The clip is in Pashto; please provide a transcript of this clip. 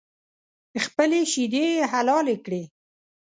خپلې شیدې یې حلالې کړې